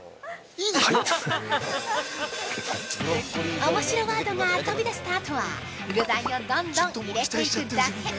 ◆おもしろワードが飛び出したあとは、具材をどんどん入れていくだけ。